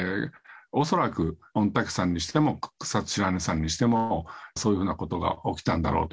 恐らく御嶽山にしても、草津白根山にしても、そういうふうなことが起きたんだろうと。